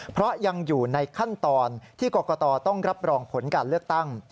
เพราะยังอยู่ในขั้นตอนที่กรกตต้องรับรองผลการเลือกตั้ง